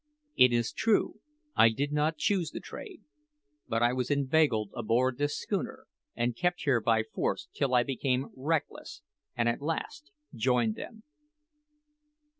It is true I did not choose the trade, but I was inveigled aboard this schooner and kept here by force till I became reckless and at last joined them.